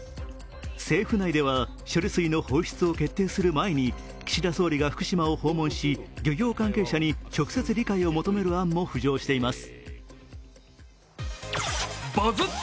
政府内では、処理水の放出を決定する前に、岸田総理が福島を訪問し、漁業関係者に直接理解を求める案も浮上しています。